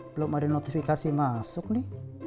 belum ada notifikasi masuk nih